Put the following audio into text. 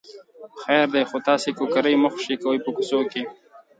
خیر دی خو تاسې کوکری مه خوشې کوئ په کوڅو کې.